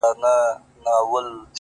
• د زړه په كور كي دي بل كور جوړكړی ـ